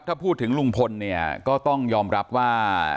ถ้าพูดถึงลุงพลเนี่ยก็ต้องยอมรับว่า